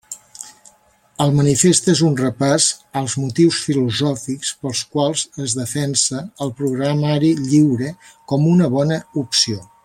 El manifest és un repàs als motius filosòfics pels quals es defensa el programari lliure com una bona opció.